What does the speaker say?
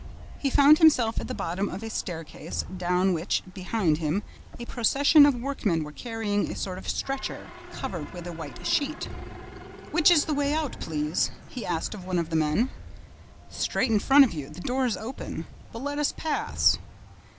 He found himself at the bottom of a staircase, down which, behind him, a procession of workmen were carrying a sort of stretcher, covered with a white sheet. "Which is the way out, please?" he asked of one of the men. "Straight in front of you, the door is open. But let us pass."